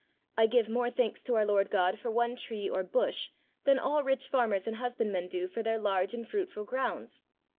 I give more thanks to our Lord God for one tree or bush than all rich farmers and husbandmen do for their large and fruitful grounds.